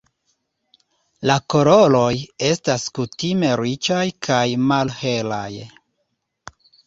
La koloroj estas kutime riĉaj kaj malhelaj.